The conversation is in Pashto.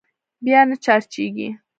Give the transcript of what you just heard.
بيا نه چارجېږي.